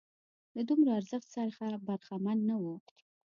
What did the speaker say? له دومره ارزښت څخه برخمن نه وو.